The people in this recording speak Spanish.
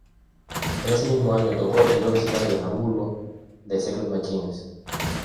En ese mismo año tocó en dos recitales en Hamburgo de Secret Machines.